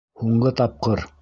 Һуңғы тапҡыр...